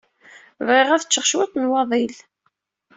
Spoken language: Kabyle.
Bɣiɣ ad ččeɣ cwiṭ n waḍil.